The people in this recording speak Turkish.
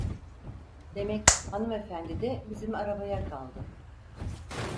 Demek hanımefendi de bizim arabaya kaldı.